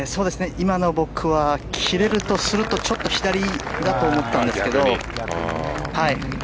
今の僕は、切れるとすると左だと思ったんですけど。